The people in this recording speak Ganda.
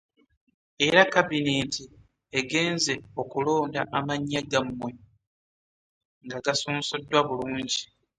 Era kabinenti egenze okulonda amannya gammwe nga gasunsuddwa bulungi